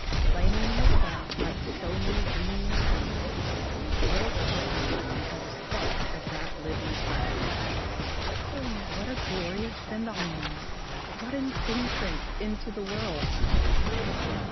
Flaming in the sun like so many gleaming points, the little Spiders are the sparks of that living fireworks. What a glorious send off! What an entrance into the world!